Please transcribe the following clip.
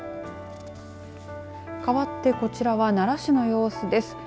かわってこちらは奈良市の様子です。